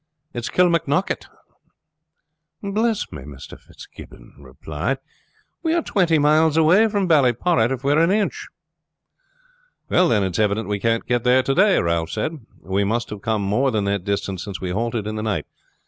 "It is Kilmaknocket." "Bless me!" Mr. Fitzgibbon exclaimed, "we are twenty miles away from Ballyporrit if we are an inch." "Then it's evident we can't get there to day," Ralph said. "We must have come more than that distance since we halted in the night.